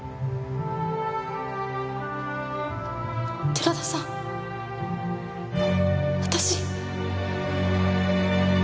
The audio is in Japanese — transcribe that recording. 寺田さん私。